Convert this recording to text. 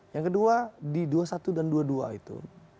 yang kedua di dua puluh satu dan dua puluh dua itu